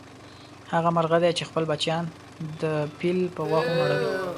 هغه مرغه دی چې خپل بچیان د پیل په غوښو مړوي.